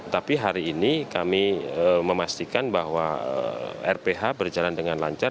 tapi hari ini kami memastikan bahwa rph berjalan dengan lancar